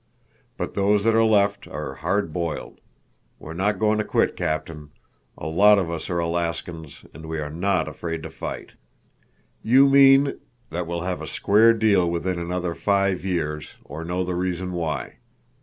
But those that are left are hard boiled. We're not going to quit, Captain. A lot of us are Alaskans, and we are not afraid to fight." "You mean—" "That we'll have a square deal within another five years, or know the reason why.